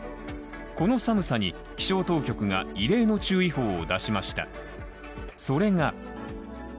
この寒さに気象当局が異例の注意報を出しました。